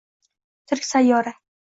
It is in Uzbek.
«Tirik sayyora»